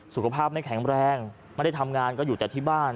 สุขภาพไม่แข็งแรงไม่ได้ทำงานก็อยู่แต่ที่บ้าน